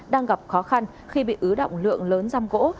đang gặp khó khăn khi bị ứ động lượng lớn răm gỗ